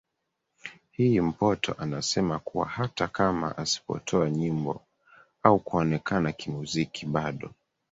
hii Mpoto anasema kuwa hata kama asipotoa nyimbo au kuonekana kimuziki bado